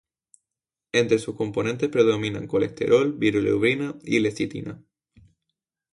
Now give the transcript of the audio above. Entre sus componentes predominan colesterol, bilirrubina y lecitina.